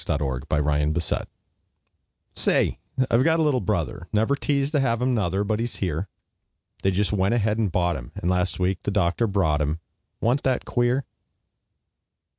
HIS NEW BROTHER Say, I've got a little brother, Never teased to have him, nuther, But he's here; They just went ahead and bought him, And, last week the doctor brought him, Wa'n't that queer?